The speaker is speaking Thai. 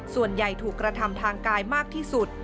ส่วนใหญ่ถูกกระทำทางกายมากที่สุด